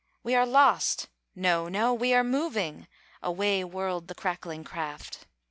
"We are lost!" "No, no; we are moving!" Away whirled the crackling raft.